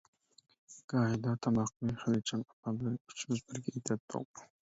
گاھىدا تاماقنى خەلچەم ئاپام بىلەن ئۈچىمىز بىرگە ئېتەتتۇق.